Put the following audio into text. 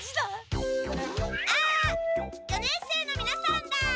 あっ四年生のみなさんだ！